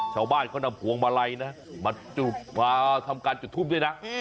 ชาวบ้านเขานำพวงมาลัยนะมาทำการจุดทูปด้วยนะ